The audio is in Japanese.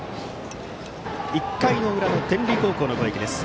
１回の裏、天理高校の攻撃です。